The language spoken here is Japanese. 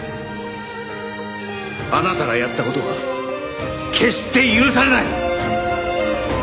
あなたがやった事は決して許されない！